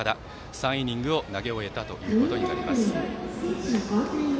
３イニングを投げ終えたということになります。